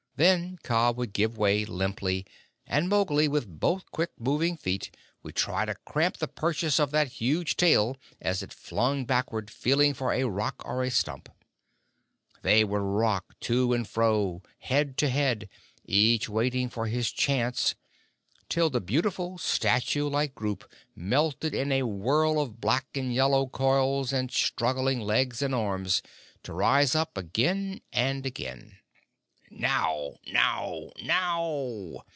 Then Kaa would give way limply, and Mowgli, with both quick moving feet, would try to cramp the purchase of that huge tail as it flung backward feeling for a rock or a stump. They would rock to and fro, head to head, each waiting for his chance, till the beautiful, statue like group melted in a whirl of black and yellow coils and struggling legs and arms, to rise up again and again. "Now! now! now!"